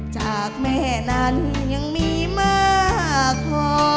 จากแม่นั้นยังมีมากพอ